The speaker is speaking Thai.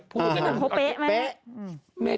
เพราะเป๊ะไหม